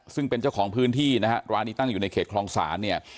ซึ่งเป็นเจ้าของพื้นที่นะฮะร้านนี้ตั้งอยู่ในเขตคลองศาลเนี่ย